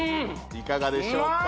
いかがでしょうか？